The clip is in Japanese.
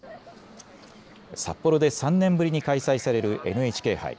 札幌で３年ぶりに開催されるＮＨＫ杯。